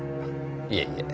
いえいえ。